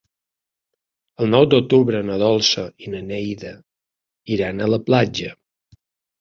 El nou d'octubre na Dolça i na Neida iran a la platja.